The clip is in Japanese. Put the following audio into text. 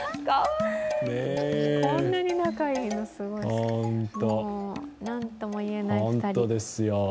こんなに仲いいの、すごい。何とも言えない２人。